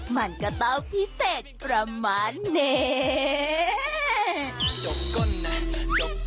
มันก็ต้องพิเศษประมาณนี้